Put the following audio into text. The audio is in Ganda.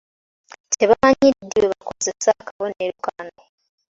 Tebamanyi ddi lwe bakozesa akabonero kano!